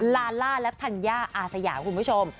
ลาล่าและธัญญาอาสยาคุณผู้ชม